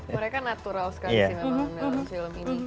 mereka natural sekali sih memang dalam film ini